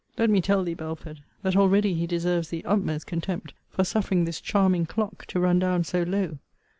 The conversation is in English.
Let me tell thee, Belford, that already he deserves the utmost contempt, for suffering this charming clock to run down so low.